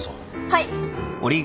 はい！